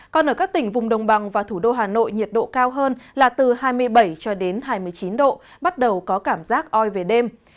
còn ở các tỉnh vùng đồng bằng và thủ đô hà nội nhiệt độ cao hơn là từ hai mươi bảy cho đến hai mươi chín độ bắt đầu có cảm giác oi về đêm